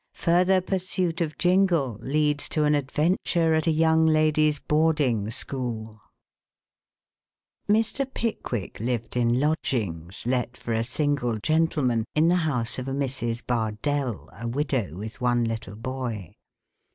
FURTHER PURSUIT OF JINGLE LEADS TO AN ADVENTURE AT A YOUNG LADIES' BOARDING SCHOOL Mr. Pickwick lived in lodgings, let for a single gentleman, in the house of a Mrs. Bardell, a widow with one little boy.